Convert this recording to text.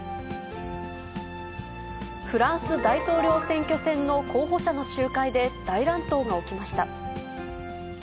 フランス大統領選挙戦の候補者の集会で大乱闘が起きました。